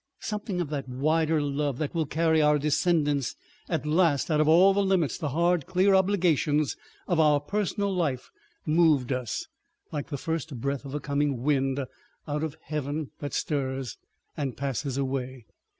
Something of that wider love, that will carry our descendants at last out of all the limits, the hard, clear obligations of our personal life, moved us, like the first breath of a coming wind out of heaven that stirs and passes away.